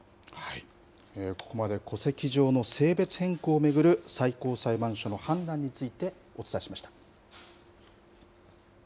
ここまで、戸籍上の性別変更を巡る最高裁判所の判断について、お伝えしました。